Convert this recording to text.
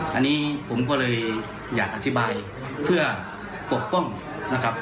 อันนี้ผมก็เลยอยากอธิบายเพื่อปกป้องนะครับ